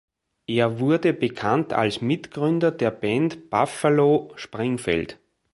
Er wurde bekannt als Mitgründer der Band Buffalo Springfield.